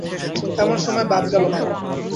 এমন সময় বাপ গেল মারা।